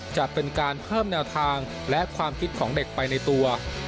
จะเป็นการเพิ่มแนวทางและความคิดของเด็กไปในตัว